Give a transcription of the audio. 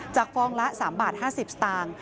ฟองละ๓บาท๕๐สตางค์